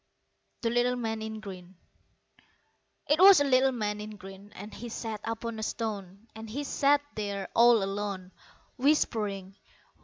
The Little Man in Green 'TWAS a little man in green, And he sat upon a stone; And he sat there all alone, Whispering.